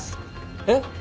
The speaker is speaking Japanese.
えっ？